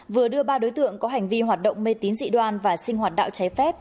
vừa đưa ba đối tượng có hành vi hoạt động mê tín dị đoan và sinh hoạt đạo trái phép